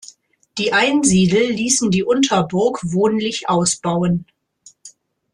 Die Einsiedel ließen die Unterburg wohnlich ausbauen.